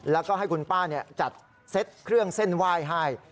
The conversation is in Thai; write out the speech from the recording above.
แล้วก็ให้คุณป้าจัดเซตเครื่องเส้นไหว้ให้